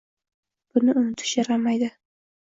Buni unutish yaramaydi.